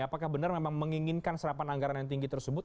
apakah benar memang menginginkan serapan anggaran yang tinggi tersebut